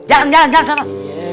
jangan jangan jangan